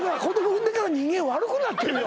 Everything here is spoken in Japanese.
産んでから人間悪くなってるよ